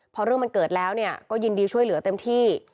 พอเรื่องมันเกิดแล้วก็ยินดีช่วยเหลือเต็มที่